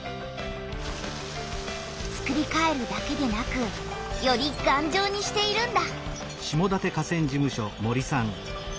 つくりかえるだけでなくよりがんじょうにしているんだ。